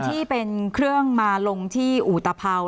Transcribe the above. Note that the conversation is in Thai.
ที่เป็นเครื่องมาลงที่อุตภัว